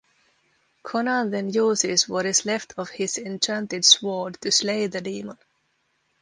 Conan then uses what is left of his enchanted sword to slay the demon.